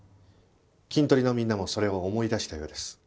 キントリのみんなもそれを思い出したようです。